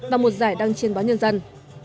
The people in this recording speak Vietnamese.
và một giải đăng trên báo nhân dân